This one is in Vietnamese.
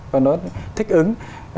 và nó thích ứng